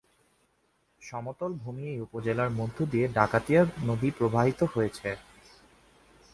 সমতল ভূমি এই উপজেলার মধ্য দিয়ে ডাকাতিয়া নদী প্রবাহিত হয়েছে।